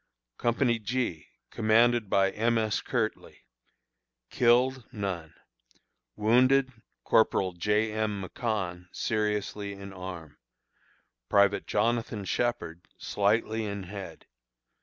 Company G, commanded by M. S. Kirtley. Killed: None. Wounded: Corporal J. M. McConn, seriously in arm; Private Jonathan Shepherd, slightly in head.